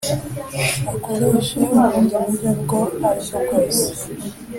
akoreshe ubundi buryo ubwo ari bwo bwose